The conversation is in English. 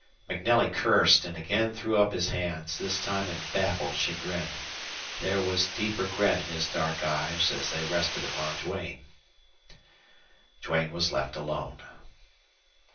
MacNelly cursed and again threw up his hands, this time in baffled chagrin. There was deep regret in his dark eyes as they rested upon Duane. Duane was left alone.